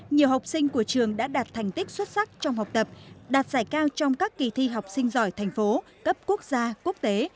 nhiều học sinh của trường đã đạt thành tích xuất sắc trong học tập đạt giải cao trong các kỳ thi học sinh giỏi thành phố cấp quốc gia quốc tế